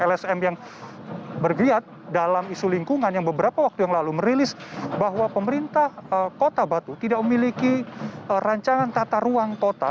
lsm yang bergeriat dalam isu lingkungan yang beberapa waktu yang lalu merilis bahwa pemerintah kota batu tidak memiliki rancangan tata ruang kota